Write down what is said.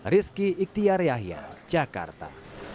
rizky iktiar yahya jakarta